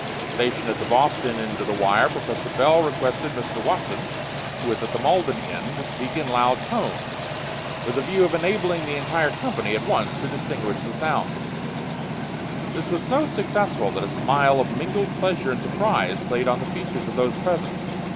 Stationed at the Boston end of the wire, Professor Bell requested Mr. Watson, who was at the Malden end, to speak in loud tones, with a view of enabling the entire company at once to distinguish the sounds. This was so successful that a smile of mingled pleasure and surprise played on the features of those present.